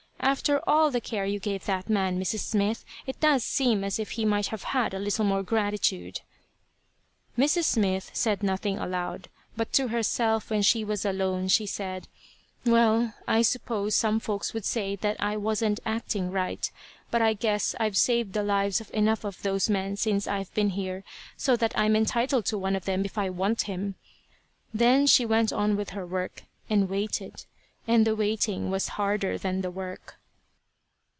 "After all the care you gave that man, Mrs. Smith. It does seem as if he might have had a little more gratitude." Mrs. Smith said nothing aloud. But to herself, when she was alone, she said: "Well, I suppose some folks would say that I wasn't acting right, but I guess I've saved the lives of enough of those men since I've been here so that I'm entitled to one of them if I want him." Then she went on with her work, and waited; and the waiting was harder than the work.